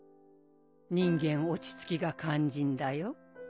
人間落ち着きが肝心だよ。